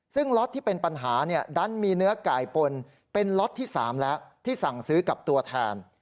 ซึ่งล็อตที่เป็นปัญหาดันมีเนื้อไก่ปนเป็นล็อตที่๓แล้วที่สั่งซื้อกับตัวแทน